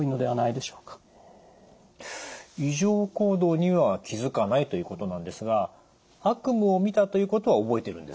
異常行動には気づかないということなんですが悪夢をみたということは覚えているんですか？